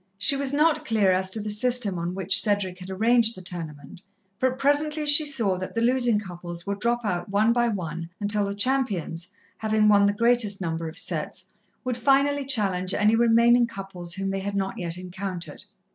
She was not clear as to the system on which Cedric had arranged the tournament, but presently she saw that the losing couples would drop out one by one until the champions, having won the greatest number of setts, would finally challenge any remaining couples whom they had not yet encountered.